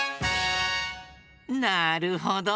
なるほど！